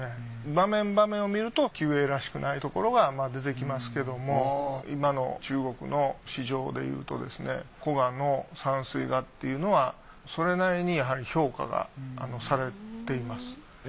場面場面を見ると仇英らしくないところがまぁ出てきますけども今の中国の市場でいうとですね古画の山水画っていうのはそれなりにやはり評価がされています。